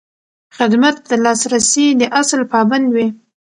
خدمت د لاسرسي د اصل پابند وي.